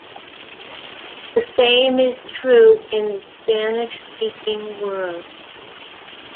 The same is true in the Spanish-speaking world.